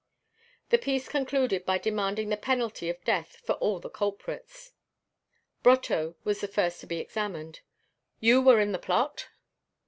The piece concluded by demanding the penalty of death for all the culprits. Brotteaux was the first to be examined: "You were in the plot?"